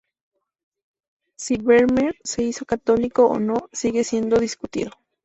Si Vermeer se hizo católico o no, sigue siendo discutido.